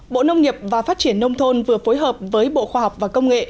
bộ nông nghiệp và phát triển nông thôn vừa phối hợp với bộ khoa học và công nghệ